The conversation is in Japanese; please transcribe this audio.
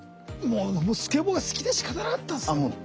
もうスケボーが好きでしかたなかったんすね。